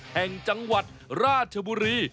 แห่งจังหวัดราชบุรี